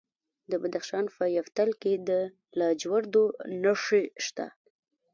د بدخشان په یفتل کې د لاجوردو نښې شته.